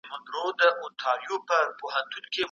موږ کولای شو پر ځان اغېزمن ټولنیز قوتونه وپېژنو.